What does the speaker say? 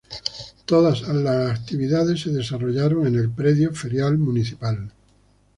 Todas las actividades se desarrollaron en el Predio Ferial Municipal.